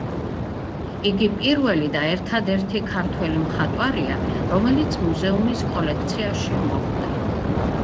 იგი პირველი და ერთადერთი ქართველი მხატვარია, რომელიც მუზეუმის კოლექციაში მოხვდა.